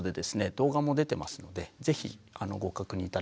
動画も出てますので是非ご確認頂ければと思います。